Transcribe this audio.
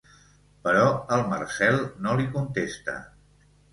Però el Marcel no li contesta.